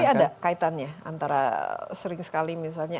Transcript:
tapi ada kaitannya antara sering sekali misalnya